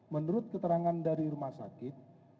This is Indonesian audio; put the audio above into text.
menurut keterangan dari rumah sakit